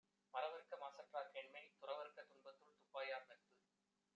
மறவற்க மாசற்றார் கேண்மை; துறவற்க துன்பத்துள் துப்பாயார் நட்பு.